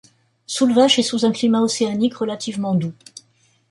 Soulvache est sous un climat océanique relativement doux.